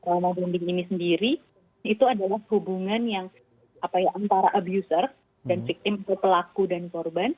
trauma bonding ini sendiri itu adalah hubungan yang antara abuser dan victim ke pelaku dan korban